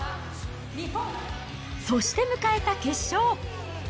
そして迎えた決勝。